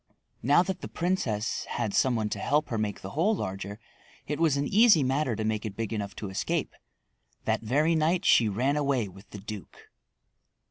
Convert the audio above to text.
Now that the princess had some one to help her make the hole larger it was an easy matter to make it big enough to escape. That very night she ran away with the duke.